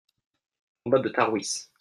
Combat de Tarwis.